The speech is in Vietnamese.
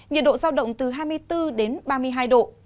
nhiệt độ giao động từ hai mươi bốn đến ba mươi hai độ